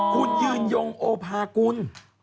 คุณยืนยงโอภากุล